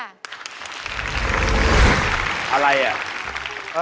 อะไรอ่ะ